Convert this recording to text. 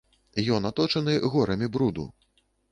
Ён аточаны горамі бруду.